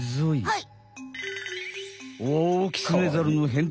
はい！